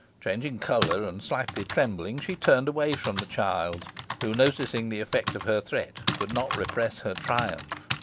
Changing colour, and slightly trembling, she turned away from the child, who, noticing the effect of her threat, could not repress her triumph.